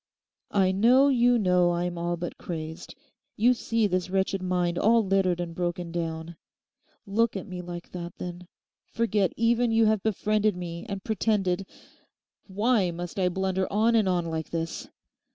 'I know you know I'm all but crazed; you see this wretched mind all littered and broken down; look at me like that, then. Forget even you have befriended me and pretended—Why must I blunder on and on like this?